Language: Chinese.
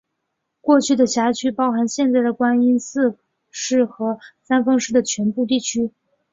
过去的辖区包含现在的观音寺市和三丰市的全部地区。